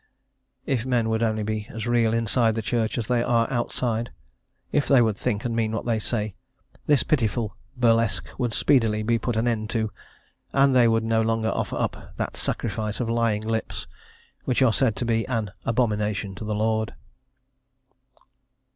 If men would only be as real inside the church as they are outside; if they would think and mean what they say, this pitiful burlesque would speedily be put an end to, and they would no longer offer up that sacrifice of lying lips, which are said to be "an abomination to the Lord."